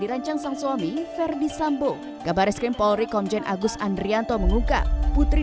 dirancang sang suami verdi sambo kabar es krim polri komjen agus andrianto mengungkap putri